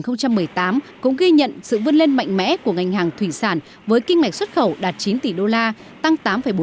năm hai nghìn một mươi tám cũng ghi nhận sự vươn lên mạnh mẽ của ngành hàng thủy sản với kinh mạch xuất khẩu đạt chín tỷ đô la tăng tám bốn